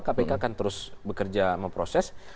kpk akan terus bekerja memproses